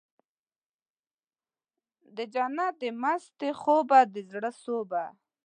دجنت د مستۍ خوبه د زړه سوبه